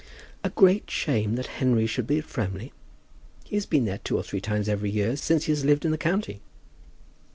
"A great shame that Henry should be at Framley! He has been there two or three times every year since he has lived in the county."